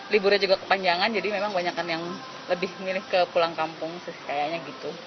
liburnya juga kepanjangan jadi memang banyakan yang lebih milih ke pulang kampung kayaknya gitu